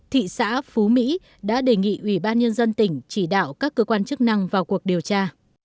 thị xã phú mỹ đã đề nghị ủy ban nhân dân tỉnh chỉ đạo các cơ quan chức năng vào cuộc điều tra